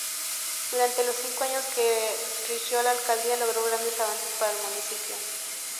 Durante los cinco años que rigió la alcaldía, logró grandes avances para el municipio.